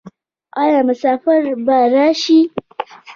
آیا مسافر به راشي؟